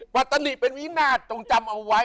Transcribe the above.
ปรัตนิเป็นวินาทต้องจำเอาไว้